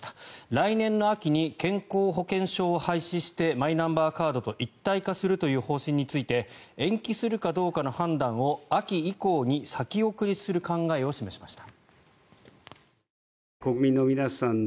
来年の秋に健康保険証を廃止してマイナンバーカードと一体化するという方針について延期するかどうかの判断を秋以降に先送りする考えを示しました。